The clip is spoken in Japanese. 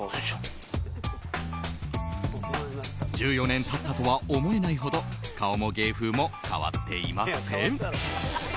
１４年経ったとは思えないほど顔も芸風も変わっていません。